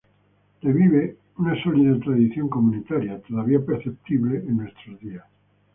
Revive una sólida tradición comunitaria, todavía perceptible en nuestros días.